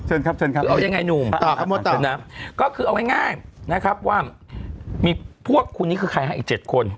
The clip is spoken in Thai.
เอายังไงหนุ่มก็คือเอาให้ง่ายนะครับว่ามีพวกคนนี้คือใครอีก๗คน